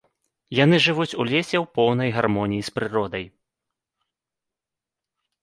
Яны жывуць у лесе ў поўнай гармоніі з прыродай.